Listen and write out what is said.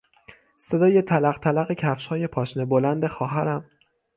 صدای تلقتلق کفشهای پاشنه بلند خواهرم